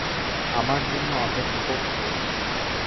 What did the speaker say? আমার জন্য অপেক্ষা করছ?